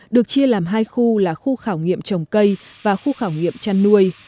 được chia làm hai khu là khu khảo nghiệm trồng cây và khu khảo nghiệm chăn nuôi